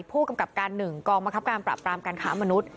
ผู้กำกับการหนึ่งกองมะครับการปรับปรามการขาวมนุษย์